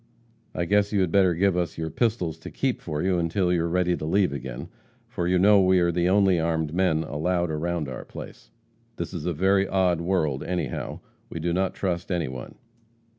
I guess you had better give us your pistols to keep for you until you are ready to leave again, for you know we are the only armed men allowed around our place. This is a very odd world anyhow. We do not trust anyone.'